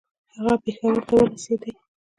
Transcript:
هغه پېښور ته ورسېدی.